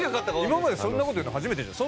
今までそんな事言うの初めてじゃない？